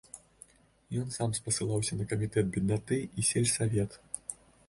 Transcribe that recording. Ён сам спасылаўся на камітэт беднаты і сельсавет.